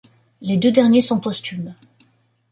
Les deux derniers sont posthumes.